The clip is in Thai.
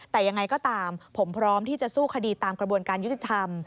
แต่ยังไงก็ตามผมพร้อมที่จะสู้คดีตามกระบวนการยุติธรรม